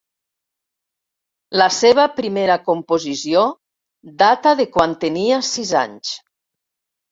La seva primera composició data de quan tenia sis anys.